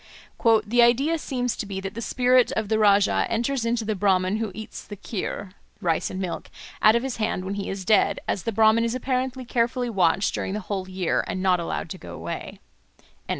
"The idea seems to be that the spirit of the Rájá enters into the Bráhman who eats the khir (rice and milk) out of his hand when he is dead, as the Brahman is apparently carefully watched during the whole year, and not allowed to go away."